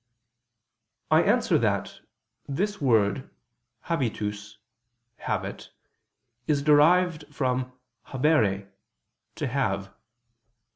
I answer that, This word habitus (habit) is derived from habere (to have).